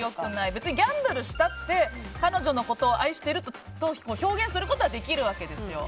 別にギャンブルしたって彼女のことを愛してるって表現することはできるわけですよ。